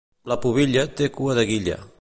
La pubilla té cua de guilla.